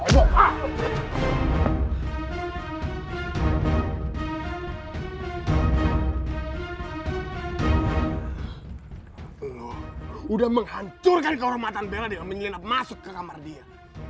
lo udah menghancurkan kehormatan bella dengan menyilap masuk ke kamar dia